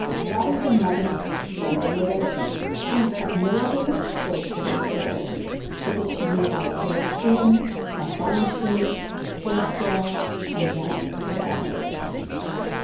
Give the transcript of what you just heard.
Fathers and mothers, friends and relations, seem to have no other wish towards the little girl, but that she may have a fair skin, a fine shape, dress well, and dance to ad miration.